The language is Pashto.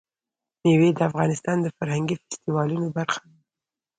مېوې د افغانستان د فرهنګي فستیوالونو برخه ده.